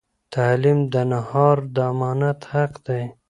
تعلیم د نهار د امانت حق دی.